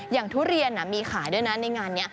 ทุเรียนมีขายด้วยนะในงานนี้